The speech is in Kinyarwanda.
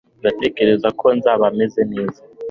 ndatekereza ko nzaba meze neza